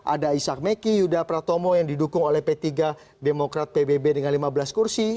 ada ishak meki yuda pratomo yang didukung oleh p tiga demokrat pbb dengan lima belas kursi